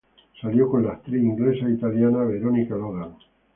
Salió con la actriz inglesa-italiana Veronica Logan.